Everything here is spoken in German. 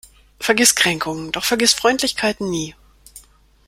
Vergiss Kränkungen, doch vergiss Freundlichkeiten nie.